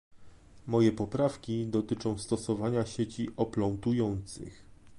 Moje poprawki dotyczą stosowania sieci oplątujących